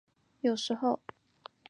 有时候。